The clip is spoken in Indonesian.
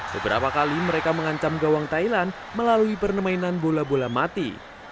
beberapa kali mereka mengancam gawang thailand melalui permainan bola bola mati